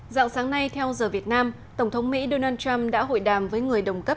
dạng sáng nay theo giờ việt nam tổng thống mỹ donald trump đã hội đàm với người đồng cấp